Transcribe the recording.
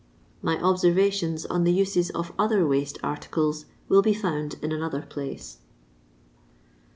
My observations on the uses of other waste articles will be found in another place.